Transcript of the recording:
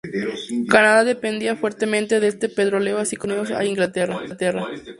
Canadá dependía fuertemente de este petróleo así como Estados Unidos e Inglaterra.